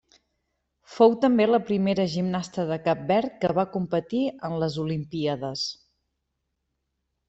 Fou també la primera gimnasta de Cap Verd que va competir en les Olimpíades.